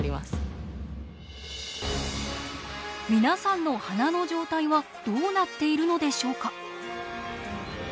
皆さんの鼻の状態はどうなっているのでしょうか。